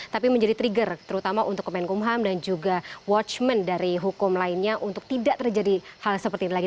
tapi menjadi trigger terutama untuk kemenkumham dan juga watchment dari hukum lainnya untuk tidak terjadi hal seperti ini lagi